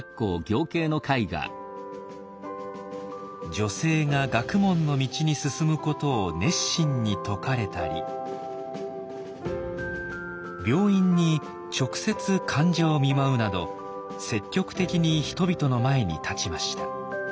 女性が学問の道に進むことを熱心に説かれたり病院に直接患者を見舞うなど積極的に人々の前に立ちました。